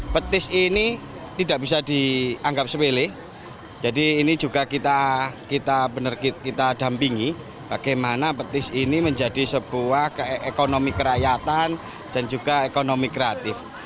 petis ini tidak bisa dianggap sepele jadi ini juga kita dampingi bagaimana petis ini menjadi sebuah ekonomi kerakyatan dan juga ekonomi kreatif